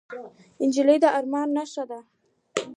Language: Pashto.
نجلۍ د ارمان نښه ده.